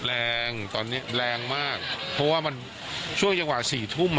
แรงตอนนี้แรงมากเพราะว่ามันช่วงอย่างหวะ๔ทุ่ม